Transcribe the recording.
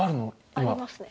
今。あります。